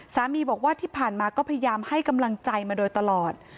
สามีบอกว่าที่ผ่านมาก็พยายามให้กำลังใจมาโดยตลอด